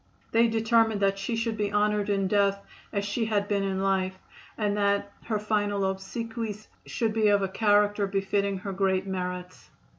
They determined that she should be honored in death as she had been in life, and that her final obsequies should be of a character befitting her great merits.